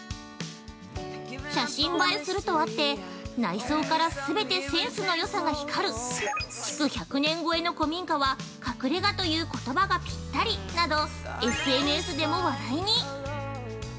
写真映えするとあって「内装から全てセンスのよさが光る」「築１００年超えの古民家は隠れ家という言葉がピッタリ」などＳＮＳでも話題に。